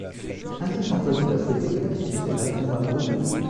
Ainsi s'emploie-t-il à souhaiter que la fille de ses rêves tombe amoureuse de lui.